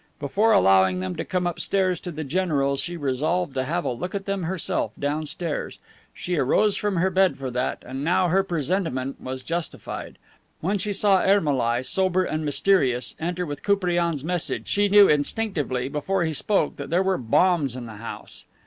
Before allowing them to come upstairs to the general she resolved to have a look at them herself downstairs. She arose from her bed for that; and now her presentiment was justified. When she saw Ermolai, sober and mysterious, enter with Koupriane's message, she knew instinctively, before he spoke, that there were bombs in the house.